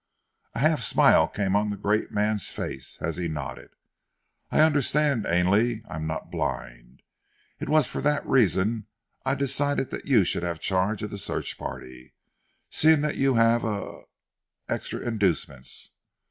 A half smile came on the great man's face, as he nodded: "I understand, Ainley; I am not blind. It was for that reason I decided that you should have charge of the search party, seeing that you have er extra inducements.